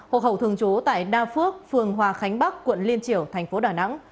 hồ hậu thường chú tại đa phước phường hòa khánh bắc quận liên triểu tp đà nẵng